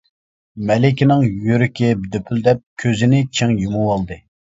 مەلىكىنىڭ يۈرىكى دۈپۈلدەپ كۆزىنى چىڭ يۇمۇۋالدى.